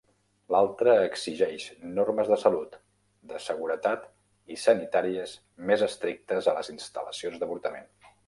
L'altra exigeix normes de salut, de seguretat i sanitàries més estrictes a les instal·lacions d'avortament.